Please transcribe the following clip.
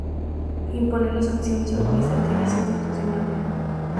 Imponer las sanciones administrativas institucionales.